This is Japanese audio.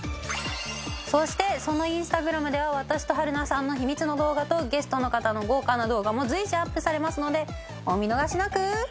そしてそのインスタグラムでは私と春菜さんの秘密の動画とゲストの方の豪華な動画も随時アップされますのでお見逃しなく。